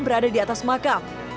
berada di atas makam